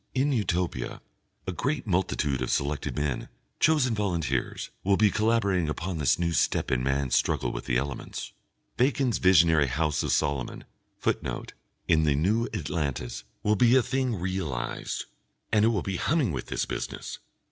In Utopia, a great multitude of selected men, chosen volunteers, will be collaborating upon this new step in man's struggle with the elements. Bacon's visionary House of Saloman [Footnote: In The New Atlantis.] will be a thing realised, and it will be humming with this business.